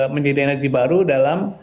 menjadi energi baru dalam